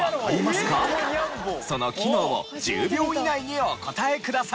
その機能を１０秒以内にお答えください。